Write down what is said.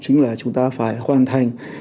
chính là chúng ta phải hoàn thành